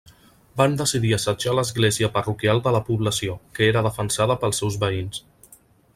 Van decidir assetjar l'església parroquial de la població, que era defensada pels seus veïns.